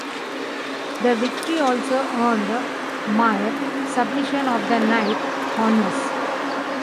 The victory also earned Mir "Submission of the Night" honors.